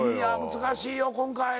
難しいよ今回。